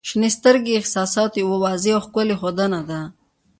• شنې سترګې د احساساتو یوه واضح او ښکلی ښودنه ده.